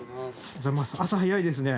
朝早いですね。